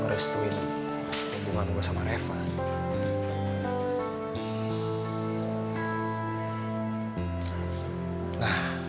restuin hubungan gua sama revan